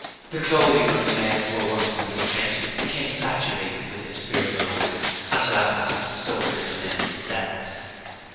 The clothing of the men who were working in the trenches became saturated with this fearful odour, and for that matter, so did the men themselves.